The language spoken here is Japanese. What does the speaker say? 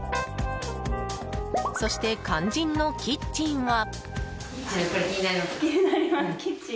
そして肝心のキッチンは。